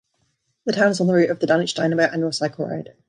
The town is on the route of the Dunwich Dynamo annual cycle ride.